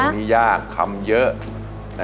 เพลงนี้ยากคำเยอะนะครับ